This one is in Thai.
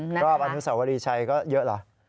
รอบอนุสาวรีชัยก็เยอะเหรอ